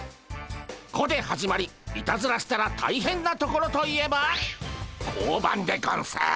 「こ」で始まりいたずらしたらたいへんな所といえば交番でゴンス。